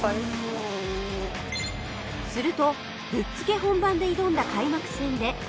するとぶっつけ本番で挑んだ開幕戦で見事３位！